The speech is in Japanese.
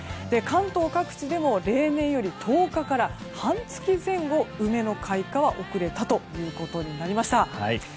関東各地でも例年より１０日から半月前後梅の開花が遅れたということになりました。